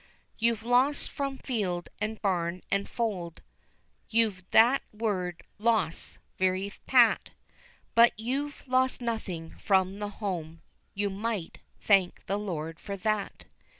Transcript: You've lost from field, and barn, and fold, You've that word "loss" very pat, But you've lost nothing from the home, You might thank the Lord for that.